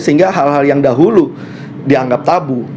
sehingga hal hal yang dahulu dianggap tabu